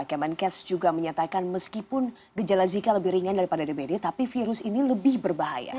kemenkes juga menyatakan meskipun gejala zika lebih ringan daripada dbd tapi virus ini lebih berbahaya